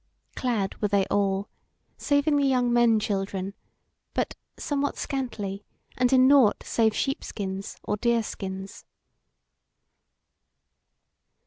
Clad were they all, saving the young men children, but somewhat scantily, and in nought save sheep skins or deer skins.